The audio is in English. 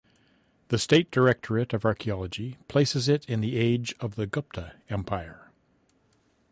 The State Directorate of Archaeology places it in the age of the Gupta Empire.